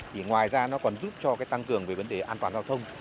thì ngoài ra nó còn giúp cho cái tăng cường về vấn đề an toàn giao thông